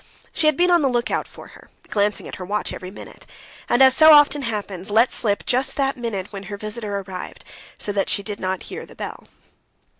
She had been on the lookout for her, glancing at her watch every minute, and, as so often happens, let slip just that minute when her visitor arrived, so that she did not hear the bell.